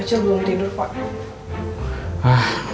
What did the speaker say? aku belum tidur pak